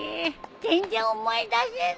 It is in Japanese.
全然思い出せない。